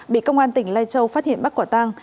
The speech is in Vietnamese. bị công an tỉnh lai châu phát hiện bắt quả tang